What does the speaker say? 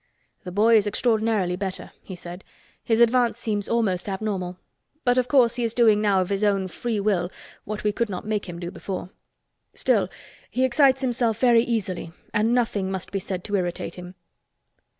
"The boy is extraordinarily better," he said. "His advance seems almost abnormal. But of course he is doing now of his own free will what we could not make him do before. Still, he excites himself very easily and nothing must be said to irritate him."